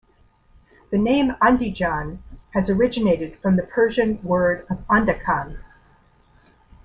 The name Andijan has originated from the Persian word of "Andakan".